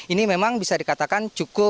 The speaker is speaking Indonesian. ini memang bisa dikatakan cukup